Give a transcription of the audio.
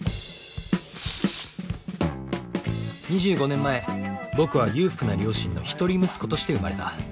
２５年前僕は裕福な両親の一人息子として生まれた。